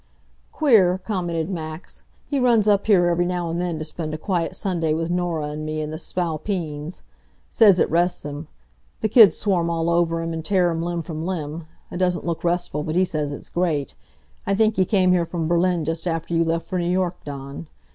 "Queer," commented Max, "he runs up here every now and then to spend a quiet Sunday with Norah and me and the Spalpeens. Says it rests him. The kids swarm all over him, and tear him limb from limb. It doesn't look restful, but he says it's great. I think he came here from Berlin just after you left for New York, Dawn.